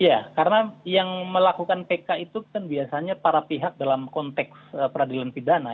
ya karena yang melakukan pk itu kan biasanya para pihak dalam konteks peradilan pidana